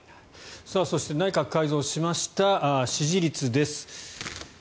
そして内閣改造しました支持率です。